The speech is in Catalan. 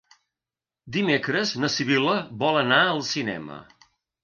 Dimecres na Sibil·la vol anar al cinema.